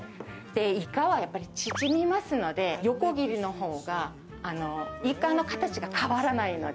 イカはやっぱり縮みますので、横切りのほうがイカの形が変わらないので。